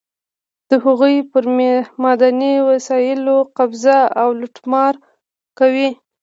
د هغوی پر معدني وسایلو قبضه او لوټمار کوي.